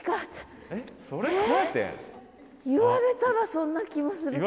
言われたらそんな気もするけど。